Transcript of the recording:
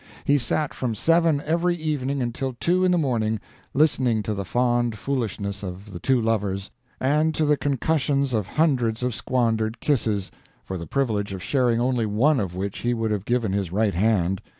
He sat from seven every evening until two in the morning, listening to the fond foolishness of the two lovers, and to the concussion of hundreds of squandered kisses for the privilege of sharing only one of which he would have given his right hand.